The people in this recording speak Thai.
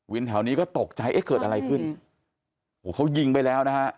แถวนี้ก็ตกใจเอ๊ะเกิดอะไรขึ้นโอ้โหเขายิงไปแล้วนะฮะ